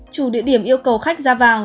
chủ địa điểm yêu cầu khách ra vào